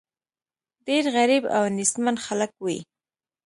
ډېر غریب او نېستمن خلک وي.